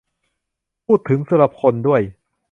พูดถึงสุรพลด้วย